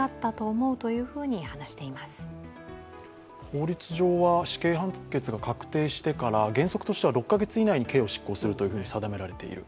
法律上は死刑判決が確定してから原則としては６カ月以内に刑を執行すると定められている。